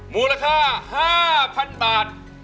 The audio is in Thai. มูลค่า๕๐๐๐บาท